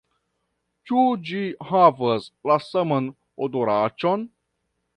Ĉu ĝi havas la saman odoraĉon?